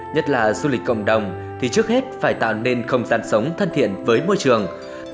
nhất là du lịch cộng đồng thì trước hết phải tạo nên không gian sống thân thiện với môi trường